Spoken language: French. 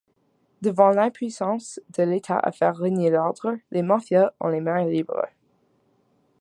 Devant l'impuissance de l'État à faire régner l'ordre, les mafias ont les mains libres.